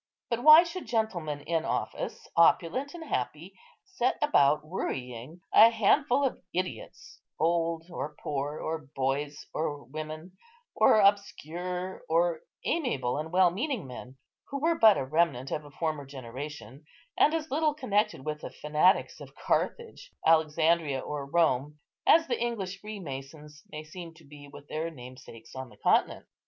But why should gentlemen in office, opulent and happy, set about worrying a handful of idiots, old, or poor, or boys, or women, or obscure, or amiable and well meaning men, who were but a remnant of a former generation, and as little connected with the fanatics of Carthage, Alexandria, or Rome, as the English freemasons may seem to be with their namesakes on the continent?